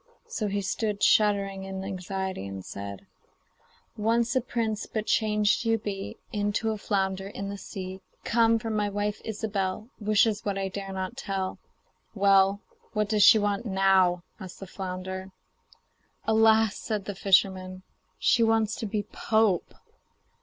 So he stood shuddering in anxiety, and said: 'Once a prince, but changed you be Into a flounder in the sea. Come! for my wife, Ilsebel, Wishes what I dare not tell.' 'Well, what does she want now?' asked the flounder. 'Alas!' said the fisherman, 'she wants to be pope.